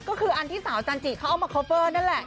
ก็คืออันที่สาวจันจิเขาเอามาคอฟเวอร์นั่นแหละ